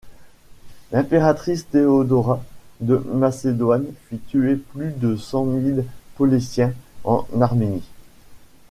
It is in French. L'impératrice Théodora de Macédoine fit tuer plus de cent mille Pauliciens en Arménie.